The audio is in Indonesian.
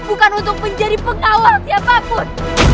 bukan untuk menjadi pengawal siapapun